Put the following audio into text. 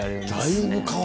だいぶ変わる。